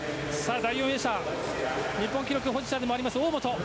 第４泳者日本記録保持者でもある大本。